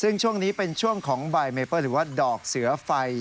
ซึ่งช่วงนี้เป็นช่วงของใบเมเปิ้ลหรือว่าดอกเสือไฟ